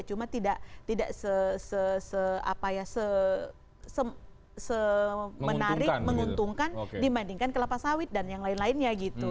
cuma tidak semenarik menguntungkan dibandingkan kelapa sawit dan yang lain lainnya gitu